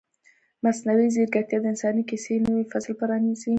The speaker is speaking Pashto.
مصنوعي ځیرکتیا د انساني کیسې نوی فصل پرانیزي.